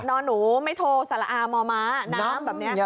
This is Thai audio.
นอนหนูไม่โทรสารอามมน้ำแบบเนี่ย